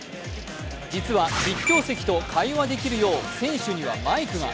実は、実況席と会話できるよう選手にはマイクが。